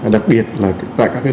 đặc biệt là tại các đô thị này